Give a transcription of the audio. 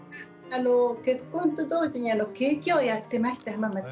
結婚と同時にケーキ屋をやってました浜松で。